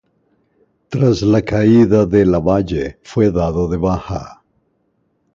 Tras la caída de Lavalle fue dado de baja.